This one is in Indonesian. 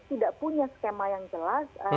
tidak punya skema yang jelas